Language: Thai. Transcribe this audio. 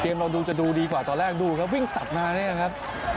เราดูจะดูดีกว่าตอนแรกดูครับวิ่งตัดมาเนี่ยครับ